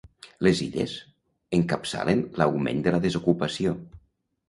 Les Illes encapçalen l’augment de la desocupació.